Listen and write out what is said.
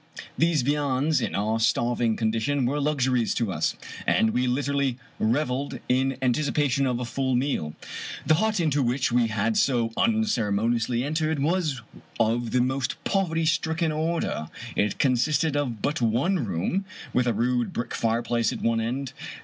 These viands in our starving con dition were luxuries to us,' and we literally reveled in an ticipation of a full meal. The hut into which we had so unceremoniously entered was of the most poverty stricken order. It consisted of but one room, with a rude brick fireplace at one end.